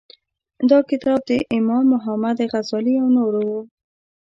دا کتاب د امام محمد غزالي او نورو و.